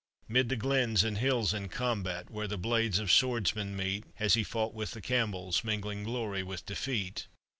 'Mid the glens and hills in combat, Where the blades of swordsmen meet, Has he fought with the Campbells, Mingling glory with defeat.